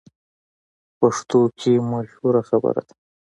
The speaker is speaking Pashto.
پښتو کې مشهوره خبره ده: